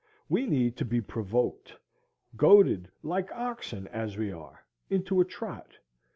We need to be provoked,—goaded like oxen, as we are, into a trot.